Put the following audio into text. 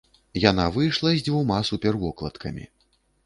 Яна выйшла з дзвюма супервокладкамі.